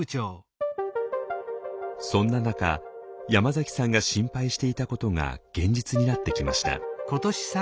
そんな中山崎さんが心配していたことが現実になってきました。